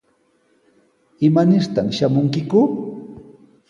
¿Imanirtaq shamunkiku?